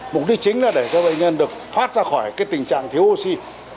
mục đích chính là để cho bệnh nhân được thoát ra khỏi tình trạng thiếu oxy